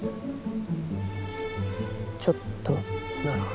ちょっとなら。